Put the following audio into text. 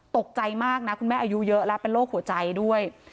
ตกใจมากนะคุณแม่อายุเยอะแล้วเป็นโรคหัวใจด้วย